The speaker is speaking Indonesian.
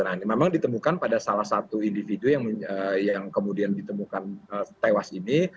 nah ini memang ditemukan pada salah satu individu yang kemudian ditemukan tewas ini